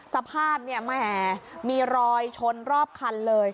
สภาพมีรอยชนรอบคันเลย